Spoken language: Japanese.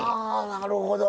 なるほど。